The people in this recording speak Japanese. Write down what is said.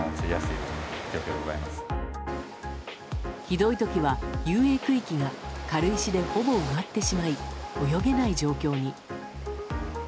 ひどい時は遊泳区域が軽石で、ほぼ埋まってしまい泳げない状況に。